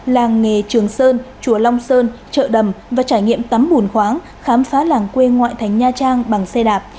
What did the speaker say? làng nghề trường sơn chùa long sơn chợ đầm và trải nghiệm tắm bùn khoáng khám phá làng quê ngoại thành nha trang bằng xe đạp